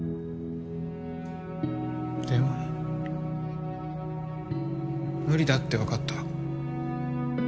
でも無理だって分かった。